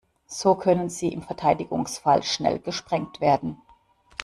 So können sie im Verteidigungsfall schnell gesprengt werden.